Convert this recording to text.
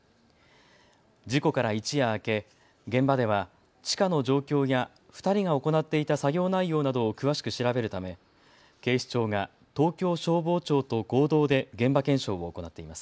事故から一夜明け現場では地下の状況や２人が行っていた作業内容などを詳しく調べるため、警視庁が東京消防庁と合同で現場検証を行っています。